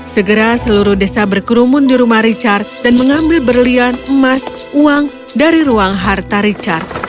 segera seluruh desa berkerumun di rumah richard dan mengambil berlian emas uang dari ruang harta richard